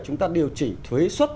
chúng ta điều chỉnh thuế xuất